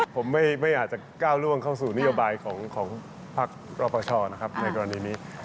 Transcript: ผมไม่อาจจะก้าวล่วงเข้าสู่นโยบายของพักรอปชนะครับในกรณีนี้